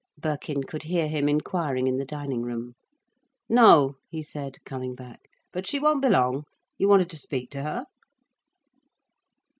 Birkin could hear him enquiring in the dining room. "No," he said, coming back. "But she won't be long. You wanted to speak to her?"